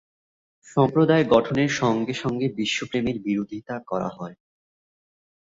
সম্প্রদায়-গঠনের সঙ্গে সঙ্গে বিশ্বপ্রেমের বিরোধিতা করা হয়।